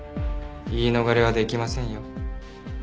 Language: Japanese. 言い逃れはできませんよ。